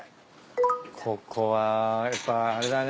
ここはやっぱあれだね。